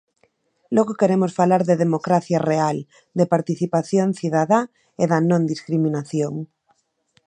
Logo queremos falar de democracia real, de participación cidadá e da non discriminación.